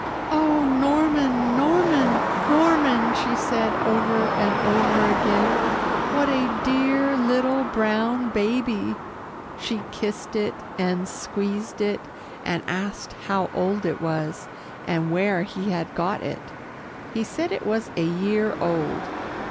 "Oh, Norman, Norman, Norman," she said over and over again, "what a dear little brown baby!" She kissed it, and squeezed it, and asked how old it was, and where he had got it. He said it was a year old.